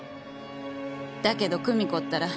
だけど久美子ったら